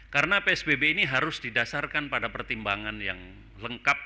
karena psbb ini harus didasarkan pada pertimbangan yang lengkap